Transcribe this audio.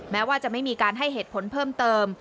แม้ว่าจะไม่มีการให้เหตุผลเพิ่มเติม